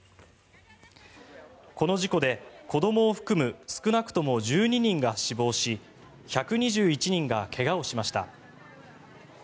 この事故で子どもを含む少なくとも１２人が死亡し１２１人が怪我をしました。